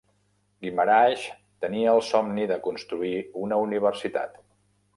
Guimaraes tenia el somni de construir una universitat.